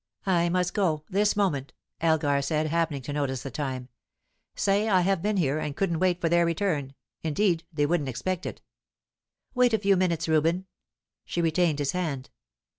"I must go, this moment," Elgar said, happening to notice the time. "Say I have been here, and couldn't wait for their return; indeed, they wouldn't expect it." "Wait a few minutes, Reuben." She retained his hand.